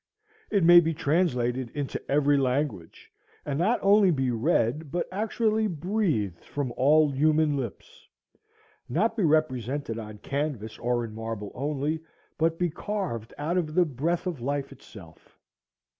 It may be translated into every language, and not only be read but actually breathed from all human lips;—not be represented on canvas or in marble only, but be carved out of the breath of life itself.